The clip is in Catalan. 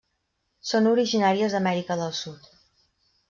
Són originàries d'Amèrica del sud.